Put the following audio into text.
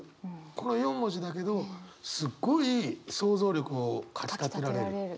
この４文字だけどすっごい想像力をかきたてられる。